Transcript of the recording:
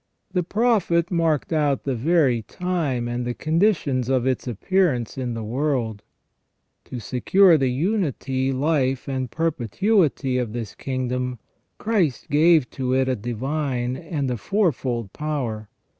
The Prophet marked out the very time and the conditions of its appearance in the world. To secure the unity, life, and perpetuity of this kingdom, Christ gave to it a divine and a fourfold power.